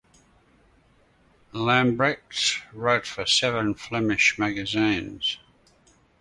Lambrechts wrote for seven Flemish magazines.